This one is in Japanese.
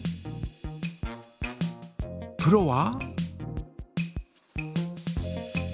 プロは？